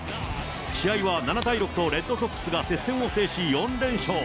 試合は７対６とレッドソックスが接戦を制し４連勝。